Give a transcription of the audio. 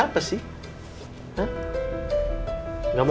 ntar kita mau szyyuk deh